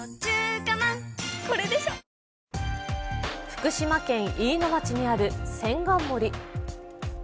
福島県飯野町にある千貫森。